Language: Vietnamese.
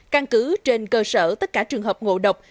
căn cứ trên cơ sở tất cả trường hợp ngộ độc